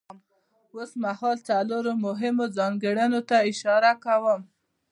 اوسمهال څلورو مهمو ځانګړنو ته اشاره کوم.